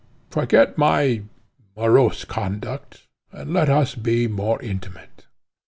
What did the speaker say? Forget my morose conduct, and let us be more intimate.